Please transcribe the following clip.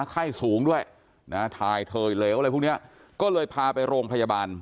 ไข้สูงด้วยนะทายเธอเหลวอะไรพวกเนี้ยก็เลยพาไปโรงพยาบาล